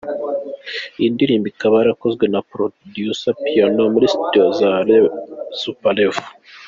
Iyi ndirimbo ikaba yarakozwe na producer Piano muri studio za Super level.